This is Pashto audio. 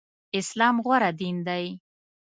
اسلام غوره دين دی.